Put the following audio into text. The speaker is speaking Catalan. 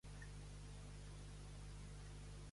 Era verge la Tamara quan van licitar per ella?